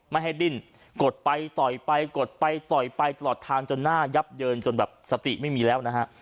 ไม่ให้ดิ้นกดไปต่อยไปกดไปต่อยไปตลอดทางจนหน้ายับเยินจนแบบสติไม่มีแล้วนะฮะ